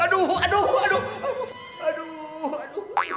aduh aduh aduh aduh aduh